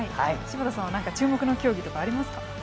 柴田さんは注目の競技とかありますか？